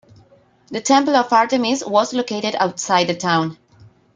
The temple of Artemis was located outside the town.